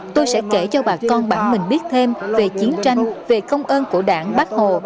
tôi sẽ kể cho bà con bản mình biết thêm về chiến tranh về công ơn của đảng bác hồ